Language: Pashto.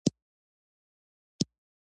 اوس وار ستاسو دی چې کار ته ادامه ورکړئ.